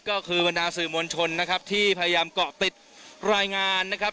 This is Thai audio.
ก็คือบรรดาสื่อมวลชนนะครับที่พยายามเกาะติดรายงานนะครับ